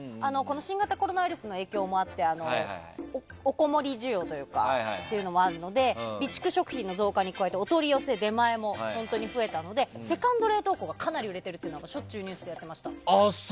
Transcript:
新型コロナウイルスの影響もあっておこもり需要っていうのもあるので備蓄食品の増加に加えてお取り寄せ出前も本当に増えたのでセカンド冷凍庫がかなり売れてるってしょっちゅうニュースでやってました。